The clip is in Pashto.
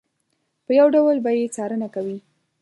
په یو ډول به یې څارنه کوي.